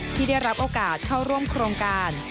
ที่ได้รับโอกาสเข้าร่วมโครงการ